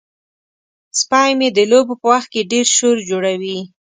سپی مې د لوبو په وخت کې ډیر شور جوړوي.